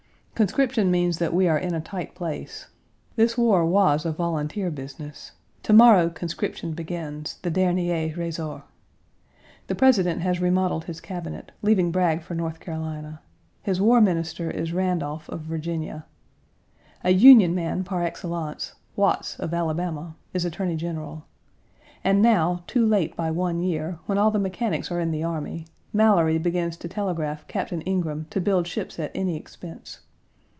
Conscription means that we are in a tight place. This war was a volunteer business. To morrow conscription begins the dernier ressort. The President has remodeled his Cabinet, leaving Bragg for North Carolina. His War Minister is Randolph, of Virginia. A Union man par excellence, Watts, of Alabama, is Attorney General. And now, too late by one year, when all the mechanics are in the army, Mallory begins to telegraph Captain Ingraham to build ships at any expense.